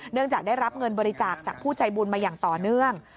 เนื่องจากได้รับเงินบริจาคจากผู้ใจบุญมาอย่างต่อเนื่อง